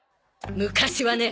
昔はね